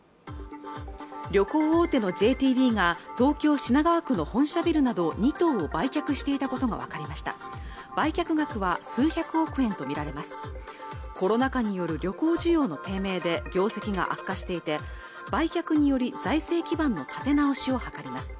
旅行大手のＪＴＢが東京品川区の本社ビルなど二棟を売却していたことが分かりました売却額は数百億円と見られますコロナ禍による旅行需要の低迷で業績が悪化していて売却により財政基盤の立て直しを図ります